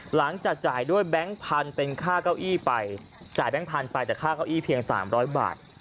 จ่ายด้วยแบงค์พันธุ์เป็นค่าเก้าอี้ไปจ่ายแบงค์พันธุ์ไปแต่ค่าเก้าอี้เพียง๓๐๐บาท